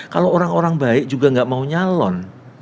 kalau orang orang baik juga nggak mau nyalon